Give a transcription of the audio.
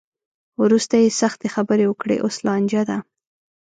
وروسته یې سختې خبرې وکړې؛ اوس لانجه ده.